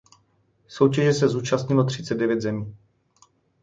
Soutěže se zúčastnilo třicet devět zemí.